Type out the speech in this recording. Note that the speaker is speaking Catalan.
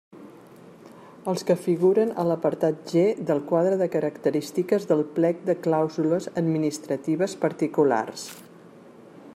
Els que figuren a l'apartat G del quadre de característiques del plec de clàusules administratives particulars.